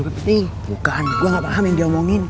tapi bukan gue gak paham yang dia omongin